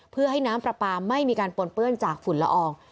เพื่อให้น้ำปลาปลาไม่มีการปนเปื้อนจากฝุ่นละออง